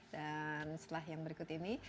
dan setelah yang berikut ini